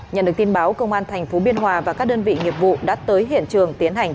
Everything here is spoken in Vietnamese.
nhận được tin báo công an tp biên hòa và các đơn vị nghiệp vụ đã tới hiện trường tiến hành